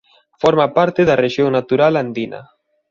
Forma parte da rexión natural andina.